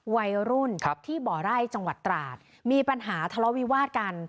วัยรุ่นที่บ่อไร่จังหวัดตราดมีปัญหาทะเลาะวิวาดกัน